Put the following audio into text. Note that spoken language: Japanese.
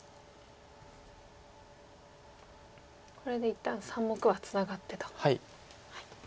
これで一旦３目はツナがってと。